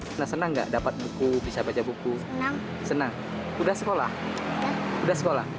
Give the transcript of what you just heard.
tidak hanya berkeliling membawa sejumlah buku